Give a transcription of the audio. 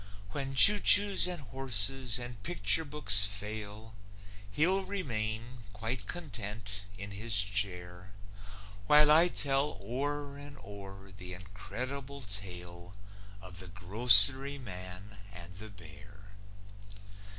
When choo choos and horses and picture books fail, He'll remain, quite content, in his chair, While I tell o'er and o'er the incredible tale Of The Grocery Man and the Bear.